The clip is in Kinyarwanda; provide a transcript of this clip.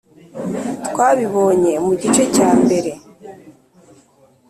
twabibonye mu gice cyambere.